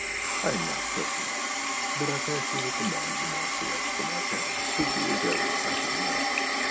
I am not prescient, but I fancy that the man whom I select for my parent should be a very happy man.